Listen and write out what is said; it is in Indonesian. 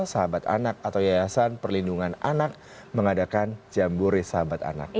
sahabat anak atau yayasan perlindungan anak mengadakan jambore sahabat anak